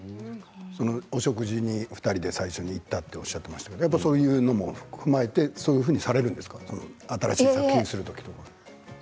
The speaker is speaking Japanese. お食事に２人で最初に行ったとおっしゃっていましたけどそういうものを踏まえてそういうことをされるんですか新しい作品をする時は。